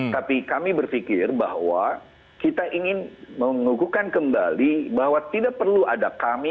tapi kami berpikir bahwa kita ingin mengukuhkan kembali bahwa tidak perlu ada kami